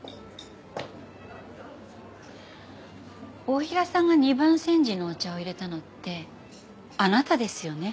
太平さんが二番煎じのお茶をいれたのってあなたですよね？